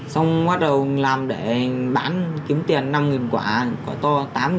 xong bắt đầu làm để bán kiếm tiền năm quả quả to tám